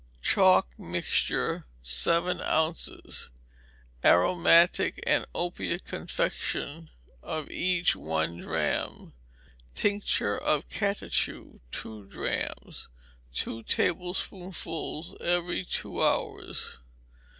Chalk mixture, seven ounces; aromatic and opiate confection, of each one drachm; tincture of catechu, six drachms: two tablespoonfuls every two hours.